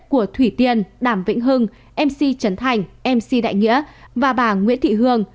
của thủy tiên đàm vĩnh hưng mc trấn thành mc đại nghĩa và bà nguyễn thị hương